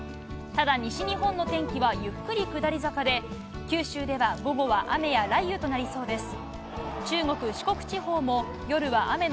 ただ、西日本の天気はゆっくり下り坂で、九州では午後は雨や雷雨となりそうです。